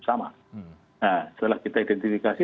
sama nah setelah kita identifikasi